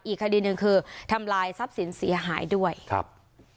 อีกคดีหนึ่งคือทำลายทรัพย์สินเสียหายด้วยครับ